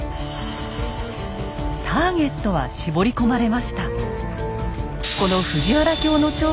ターゲットは絞り込まれました。